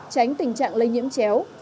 tránh tình trạng lây nhiễm chéo